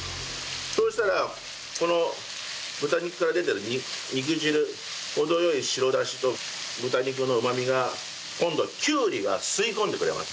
そうしたらこの豚肉から出てる肉汁ほどよい白だしと豚肉のうまみが今度きゅうりが吸い込んでくれます。